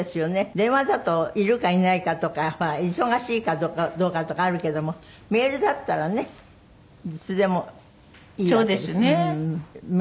電話だといるかいないかとかほら忙しいかどうかとかあるけどもメールだったらね